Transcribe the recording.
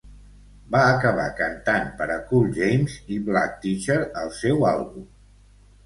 Va acabar cantant per a Cool James i Black Teacher al seu àlbum.